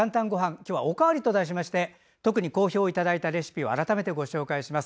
今日はおかわりと題しましてご好評いただいたレシピを改めてご紹介します。